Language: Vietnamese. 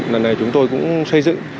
lần này chúng tôi cũng xây dựng